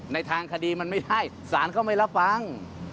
ในทางคดีมันไม่ใช่สารเขาไม่รับฟัง